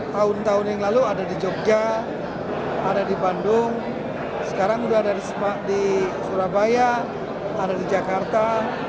tahun tahun yang lalu ada di jogja ada di bandung sekarang sudah ada di surabaya ada di jakarta